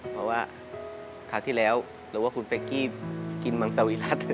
แต่ว่าครั้งที่แล้วเราว่าคุณเป๊กกี้กินมังสวิรัติ